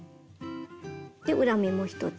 で裏目も１つ。